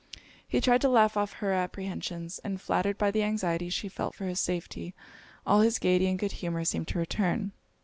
He tried to laugh off her apprehensions; and flattered by the anxiety she felt for his safety, all his gaiety and good humour seemed to return.